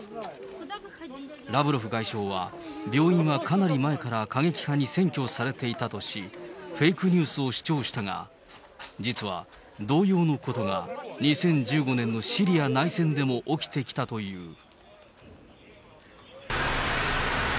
ラブロフ外相は、病院はかなり前から過激派に占拠されていたとし、フェイクニュースを主張したが、実は同様のことが２０１５年のシリア内戦でも起きてきたという。